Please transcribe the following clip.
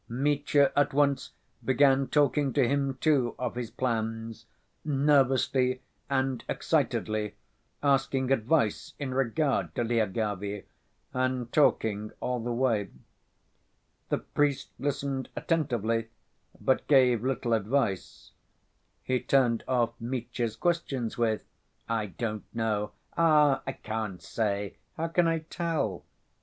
Mitya at once began talking to him, too, of his plans, nervously and excitedly asking advice in regard to Lyagavy, and talking all the way. The priest listened attentively, but gave little advice. He turned off Mitya's questions with: "I don't know. Ah, I can't say. How can I tell?"